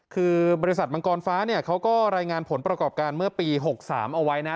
คือบริษัทมังกรฟ้าเนี่ยเขาก็รายงานผลประกอบการเมื่อปี๖๓เอาไว้นะ